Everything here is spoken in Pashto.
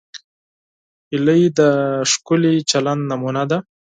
هیلۍ د ښکلي چلند نمونه ده